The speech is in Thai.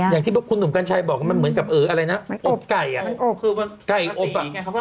อย่างที่พบคุณหนุ่มกัญชัยบอกว่าเหมือนทำเก่าเราอบไหมไอ้ไก่อบ